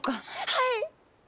はい！